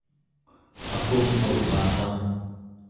A kum a upa cang.